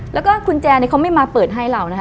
แล้วก็กุญแจเขาไม่มาเปิดให้เรานะคะ